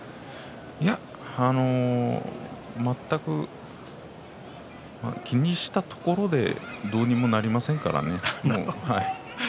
いや、全く気にしたところでどうにもなりませんからね。